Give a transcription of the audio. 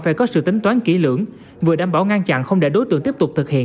phải có sự tính toán kỹ lưỡng vừa đảm bảo ngăn chặn không để đối tượng tiếp tục thực hiện